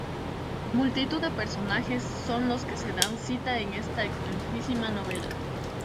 Multitud de personajes son los que se dan cita en esta extensísima novela.